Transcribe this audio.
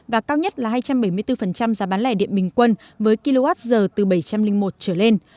và cao nhất là hai trăm bảy mươi bốn giá bán lẻ điện bình quân với kwh từ bảy trăm linh một trở lên